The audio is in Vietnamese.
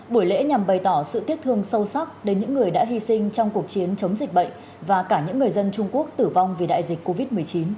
buổi lễ nhằm bày tỏ sự tiếc thương sâu sắc đến những người đã hy sinh trong cuộc chiến chống dịch bệnh và cả những người dân trung quốc tử vong vì đại dịch covid một mươi chín